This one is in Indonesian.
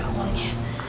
ini mbak uangnya